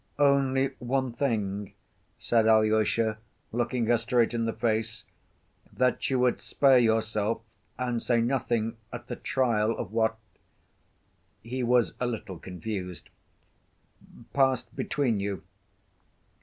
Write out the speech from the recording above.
"Only one thing," said Alyosha, looking her straight in the face, "that you would spare yourself and say nothing at the trial of what" (he was a little confused) "... passed between you